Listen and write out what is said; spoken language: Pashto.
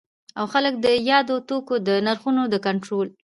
او خلګو د یادو توکو د نرخونو د کنټرول